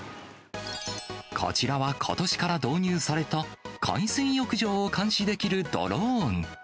こちらはことしから導入された、海水浴場を監視できるドローン。